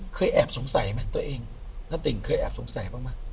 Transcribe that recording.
แอบสงสัยไหมตัวเองณติ่งเคยแอบสงสัยบ้างไหม